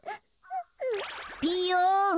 ピーヨン。